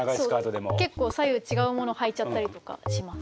結構左右違うものをはいちゃったりとかします。